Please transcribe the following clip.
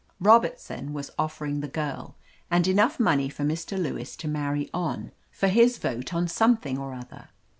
Robertson was offering the girl, and enough money for Mr. Lewis to marry on, for his vote on something or other.